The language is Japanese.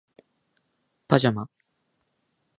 パジャマ